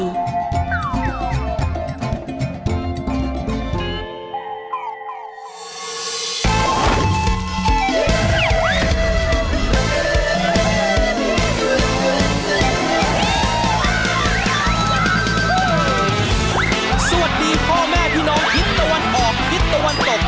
สวัสดีพ่อแม่พี่น้องทิศตะวันออกทิศตะวันตก